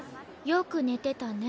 よく寝てたね。